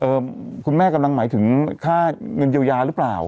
คุณแม่กำลังหมายถึงค่าเงินเยียวยาหรือเปล่า